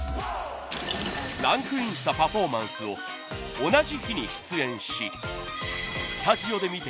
ランクインしたパフォーマンスを同じ日に出演し。